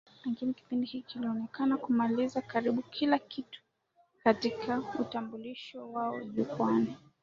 lakini kipindi hiki kilionekana kumaliza karibu kila kitu katika utambulisho wao jukwaani